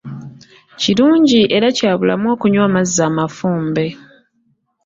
Kirungi era kya bulamu okunywa amazzi amafumbe.